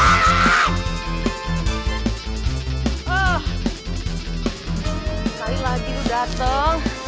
sekali lagi lu dateng